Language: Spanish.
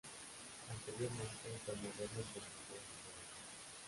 Anteriormente fue modelo y vendedora de autos.